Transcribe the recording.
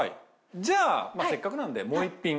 じゃあせっかくなんでもう１品。